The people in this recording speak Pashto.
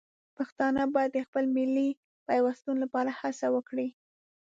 پښتانه باید د خپل ملي پیوستون لپاره هڅه وکړي.